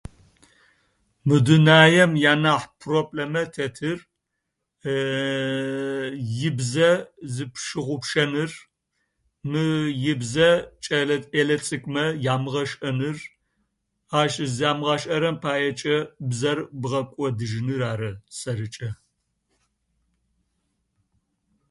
Мы дунаем янахь проблэмэ тетыр ибзэ зыбшыгъупшэныр, мы ибзэ кӏэлэ-ӏэлэцыкӏумэ ямгъэшӏэныр, ащ зэмгъашӏэрэм паекӏэ бзэр бгъэкӏодыжьыныр ары сэрыкӏэ.